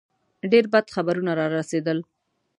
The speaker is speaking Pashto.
ډېر بد خبرونه را رسېدل.